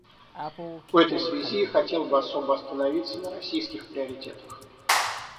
В этой связи хотел бы особо остановиться на российских приоритетах.